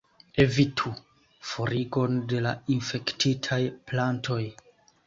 Evitu: forigon de la infektitaj plantoj.